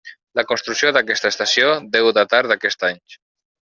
La construcció d'aquesta estació deu datar d'aquest any.